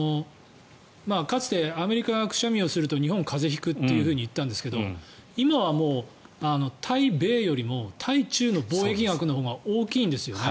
かつてアメリカがくしゃみをすると日本は風邪を引くと言ったんですが今はもう対米よりも対中国の貿易額のほうが大きいんですよね。